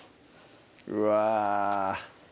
うわ